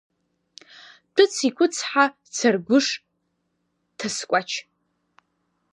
Ҭәыц икәыцҳа, Царгәыш ҭаскәач.